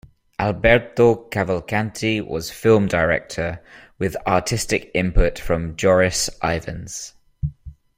Alberto Cavalcanti was film director, with artistic input from Joris Ivens.